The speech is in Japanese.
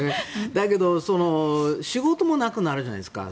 だけど仕事もなくなるじゃないですか。